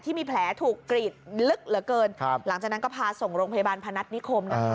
ที่มีแผลถูกกรีดกระลึกหลังจากนั้นก็พาส่งโรงพยาบาลพนัดนิคม